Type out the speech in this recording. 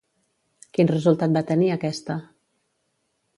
Quin resultat va tenir aquesta?